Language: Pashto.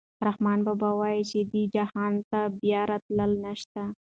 رحمان بابا وايي چې دې جهان ته بیا راتلل نشته.